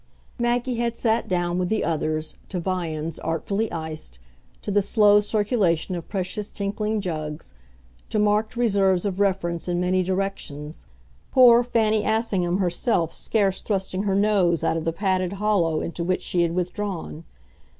Maggie had sat down, with the others, to viands artfully iced, to the slow circulation of precious tinkling jugs, to marked reserves of reference in many directions poor Fanny Assingham herself scarce thrusting her nose out of the padded hollow into which she had withdrawn.